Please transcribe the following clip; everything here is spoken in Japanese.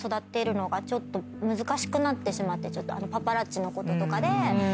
パパラッチのこととかで。